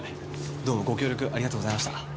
どうもご協力ありがとうございました。